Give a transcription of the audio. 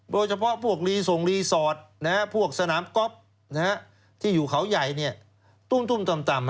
โดยเฉพาะพวกสนามก๊อบที่อยู่เขาใหญ่ตุ้มต่ำ